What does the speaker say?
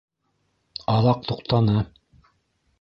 Аҙаҡ туҡтаны.